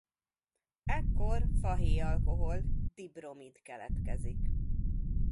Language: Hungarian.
Ekkor fahéjalkohol-dibromid keletkezik.